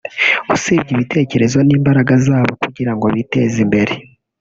usibye ibitekerezo n’imbaraga zabo kugira ngo na bo biteze imbere